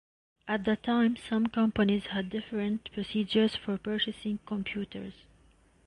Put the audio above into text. At the time, some companies had different procedures for purchasing "Computers".